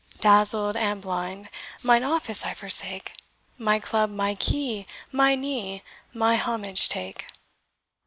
Dazzled and blind, mine office I forsake, My club, my key, my knee, my homage take.